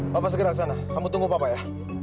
papa segera ke sana kamu tunggu papa ya